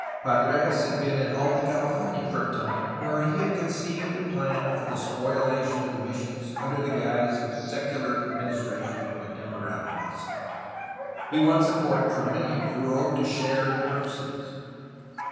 Padres had been in Alta California for a time, where he had conceived a plan for the spoHation of the missions under the guise of secular administration of the temporaUties. He won support from many who hoped to share in the proceeds.